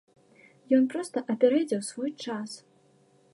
Ён проста апярэдзіў свой час.